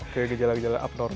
kayak gejala gejala abnormal